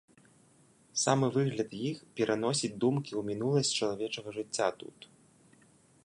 Самы выгляд іх пераносіць думкі ў мінуласць чалавечага жыцця тут.